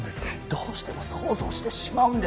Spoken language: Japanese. どうしても想像してしまうんですよ